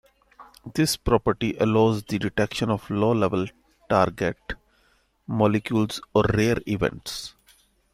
This property allows the detection of low-level target molecules or rare events.